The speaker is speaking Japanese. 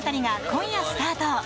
今夜スタート。